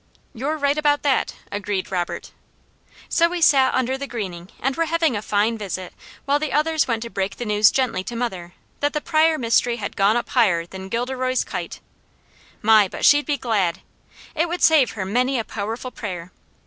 "You're right about that!" agreed Robert. So we sat under the greening and were having a fine visit while the others went to break the news gently to mother that the Pryor mystery had gone up higher than Gilderoy's kite. My! but she'd be glad! It would save her many a powerful prayer.